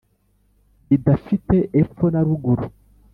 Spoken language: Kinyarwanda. Bidafite epfo na ruguru